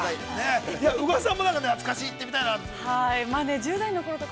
宇賀さんも懐かしい、行ってみたいなとか。